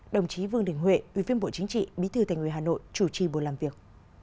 đồng chí vương đình huệ ubnd bí thư thành ủy hà nội chủ trì buổi làm việc